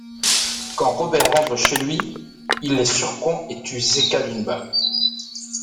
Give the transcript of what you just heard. Quand Robert rentre chez lui, il les surprend et tue Zeca d'une balle.